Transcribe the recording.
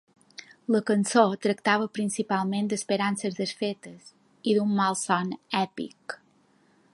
La cançó tractava principalment d'"esperances desfetes" i d'"un malson èpic".